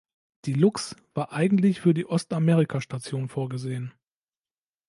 Die "Luchs" war eigentlich für die Ostamerika-Station vorgesehen.